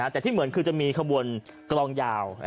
แต่ที่เหมือนคือจะมีขบวนกลองยาว